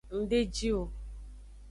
Ng de ji o.